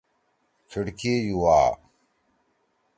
کھِڑکی یُوا۔